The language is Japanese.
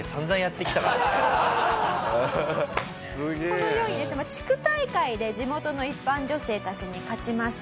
このようにですね地区大会で地元の一般女性たちに勝ちまして